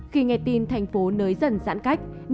khi nghe tin thành phố nới dần giãn cách